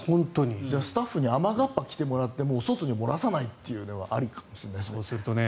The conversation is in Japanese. スタッフに雨がっぱ着てもらって外に漏らさないというのはあるかもしれないですね。